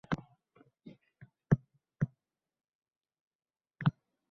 Aksincha, haqiqiy ona mehri, muomalasi bor edi unda.